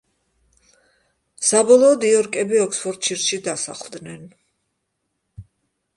საბოლოოდ, იორკები ოქსფორდშირში დასახლდნენ.